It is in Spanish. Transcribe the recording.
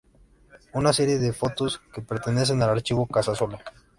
Una serie de fotos que pertenecen al Archivo Casasola.